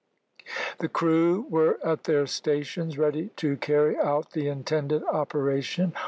The crew were at their stations, ready to carry out the intended operation.